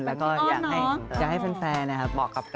แล้วก็อยากให้แฟนนะครับ